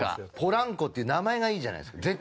「ポランコ」っていう名前がいいじゃないですか。